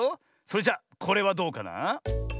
それじゃこれはどうかな？